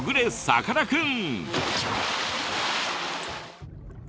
さかなクン！